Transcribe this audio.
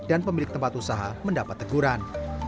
dan pemilik tempat usaha mendapat teguran